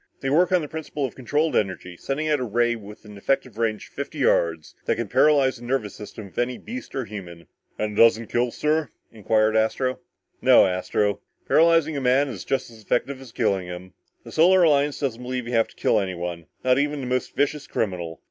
They work on a principle of controlled energy, sending out a ray with an effective range of fifty yards that can paralyze the nervous system of any beast or human." "And it doesn't kill, sir?" inquired Astro. "No, Astro," replied Strong. "Paralyzing a man is just as effective as killing him. The Solar Alliance doesn't believe you have to kill anyone, not even the most vicious criminal.